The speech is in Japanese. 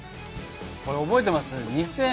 これ覚えてます？